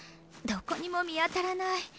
どこにも見当たらない。